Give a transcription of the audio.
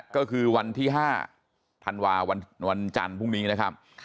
ก็คือวันที่๕ธันวาวันจันทร์พรุ่งนี้นะครับ